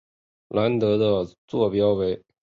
兰德的座标为。